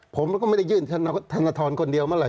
ผมก็ไม่ได้ยื่นธนทรคนเดียวเมื่อไห